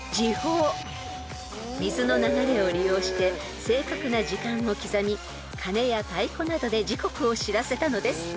［水の流れを利用して正確な時間を刻みかねや太鼓などで時刻を知らせたのです］